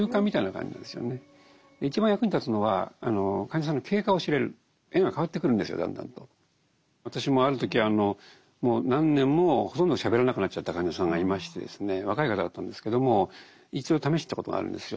一番役に立つのは私もある時もう何年もほとんどしゃべらなくなっちゃった患者さんがいましてですね若い方だったんですけども一度試したことがあるんですよ。